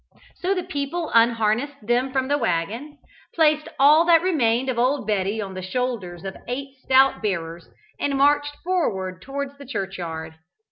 So the people unharnessed them from the waggon, placed all that remained of old Betty on the shoulders of eight stout bearers, and marched forward towards the churchyard.